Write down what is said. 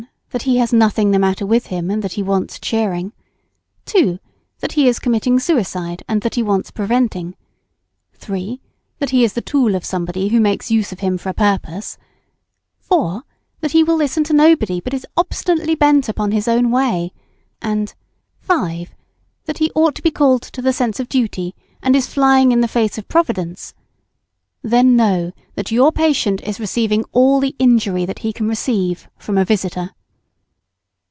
That he has nothing the matter with him, and that he wants cheering. 2. That he is committing suicide, and that he wants preventing. 3. That he is the tool of somebody who makes use of him for a purpose. 4. That he will listen to nobody, but is obstinately bent upon his own way; and 5. That, he ought to be called to a sense of duty, and is flying in the face of Providence; then know that your patient is receiving all the injury that he can receive from a visitor.